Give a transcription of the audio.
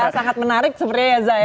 sangat menarik sebenarnya ya zaya